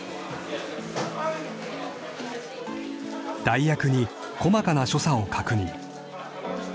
［代役に細かな所作を確認］